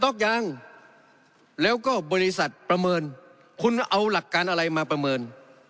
ล็อกยังแล้วก็บริษัทประเมินคุณเอาหลักการอะไรมาประเมิน